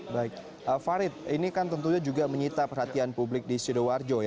baik farid ini kan tentunya juga menyita perhatian publik di sidoarjo